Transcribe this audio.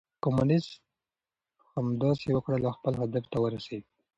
کمونيسټ همداسې وکړل او خپل هدف ته ورسېد.